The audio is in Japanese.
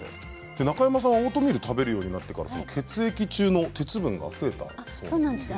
中山さんはオートミールを食べるようになってから血液中の鉄分が増えたそうですね。